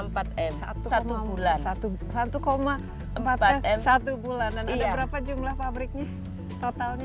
empat bulan satu bulan dan ada berapa jumlah pabriknya totalnya